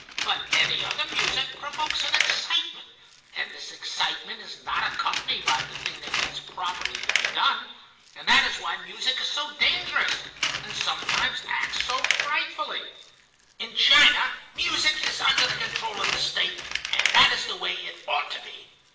But any other music provokes an excitement, and this excitement is not accompanied by the thing that needs properly to be done, and that is why music is so dangerous, and sometimes acts so frightfully. "In China music is under the control of the State, and that is the way it ought to be.